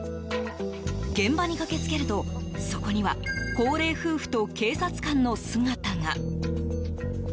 現場に駆けつけると、そこには高齢夫婦と警察官の姿が。